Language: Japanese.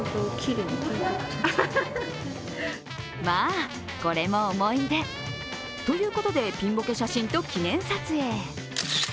まあ、これも思い出ということで、ピンボケ写真と記念撮影。